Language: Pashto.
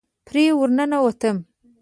پرې ورننوتم.